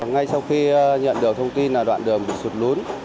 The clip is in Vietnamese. ngay sau khi nhận được thông tin là đoạn đường bị sụt lún